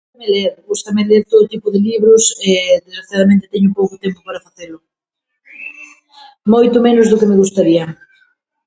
Ler, gústame ler todo tipo de libros, desgraciadamente, teño pouco tempo para facelo, moito menos do que me gustaría.